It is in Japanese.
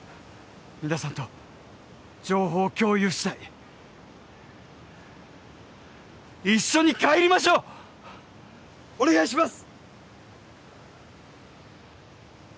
皆さんと情報を共有したい一緒に帰りましょうお願いします！